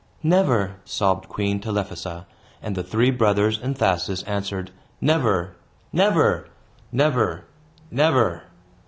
"Never!" sobbed Queen Telephassa; and the three brothers and Thasus answered, "Never! Never! Never! Never!"